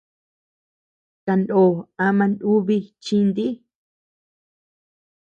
Kanoo ama nubi chinti.